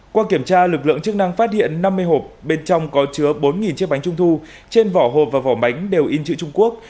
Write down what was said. qua kiểm tra lực lượng chức năng phát hiện năm mươi hộp bên trong có chứa bốn chiếc bánh trung thu trên vỏ hộp và vỏ bánh đều in chữ trung quốc